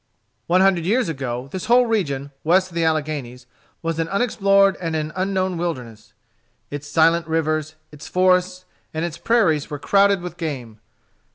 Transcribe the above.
One hundred years ago, this whole region, west of the Alleghanies, was an unexplored and an unknown wilderness. Its silent rivers, its forests, and its prairies were crowded with game.